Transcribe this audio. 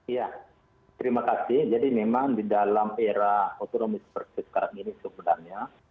ya terima kasih jadi memang di dalam era otonomi seperti sekarang ini sebenarnya